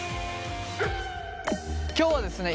今日はですね